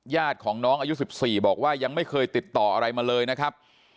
ญาติของน้องอายุ๑๔บอกว่ายังไม่เคยติดต่ออะไรมาเลยนะครับ